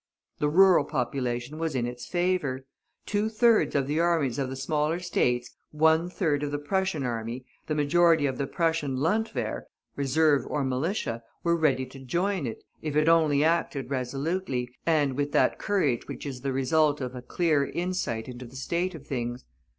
The rural population was in its favor. Two thirds of the armies of the smaller States, one third of the Prussian army, the majority of the Prussian Landwehr (reserve or militia), were ready to join it, if it only acted resolutely, and with that courage which is the result of a clear insight into the state of things.